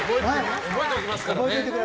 覚えておきますからね。